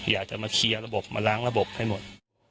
อยากจะมาเคลียร์ระบบมาล้างระบบให้หมด